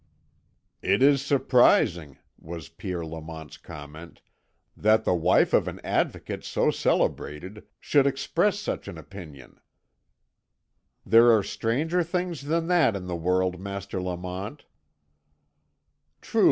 "It is surprising," was Pierre Lamont's comment, "that the wife of an Advocate so celebrated should express such an opinion." "There are stranger things than that in the world, Master Lamont."